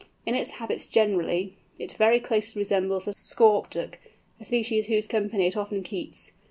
In its habits generally, it very closely resembles the Scaup Duck, a species whose company it often keeps.